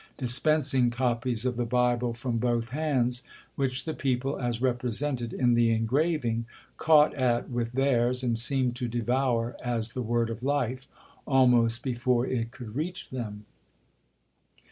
dispensing copies of the Bible from both hands, which the people, as represented in the engraving, caught at with theirs, and seemed to devour as the word of life, almost before it could reach them.